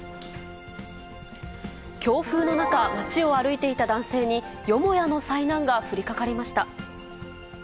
強風の中、街を歩いていた男性に、よもやの災難が降りかかりました。